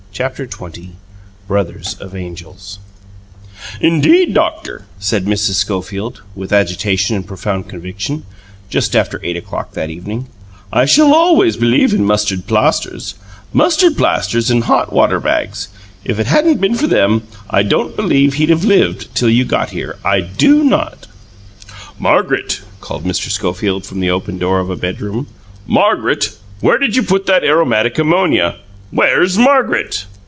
CHAPTER XX BROTHERS OF ANGELS "Indeed, doctor," said Mrs. Schofield, with agitation and profound conviction, just after eight o'clock that evening, "I shall ALWAYS believe in mustard plasters mustard plasters and hot water bags. If it hadn't been for them I don't believed he'd have LIVED till you got here I do NOT!" "Margaret," called Mr. Schofield from the open door of a bedroom, "Margaret, where did you put that aromatic ammonia? Where's Margaret?"